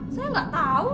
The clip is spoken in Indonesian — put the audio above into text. saya gak tahu